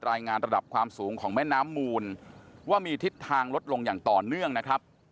รายงานระดับความสูงของแม่น้ำมูลว่ามีทิศทางลดลงอย่างต่อเนื่องนะครับ